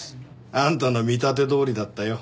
あんたの見立てどおりだったよ。